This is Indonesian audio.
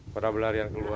pada berlarian keluar